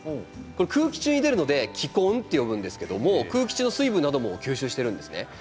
空気中に出るので気根と呼ぶんですけれども空気中の水分なども吸収しているんですね。